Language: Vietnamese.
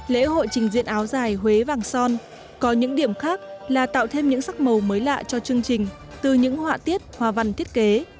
lễ hội trình diện áo dài huế vàng son có những điểm khác là tạo thêm những sắc màu mới lạ cho chương trình từ những họa tiết hoa văn thiết kế